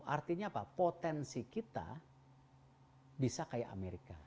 artinya apa potensi kita bisa kayak amerika